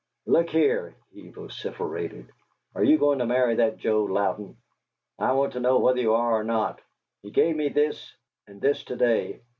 "Look here," he vociferated; "are you going to marry that Joe Louden? I want to know whether you are or not. He gave me this and this to day!"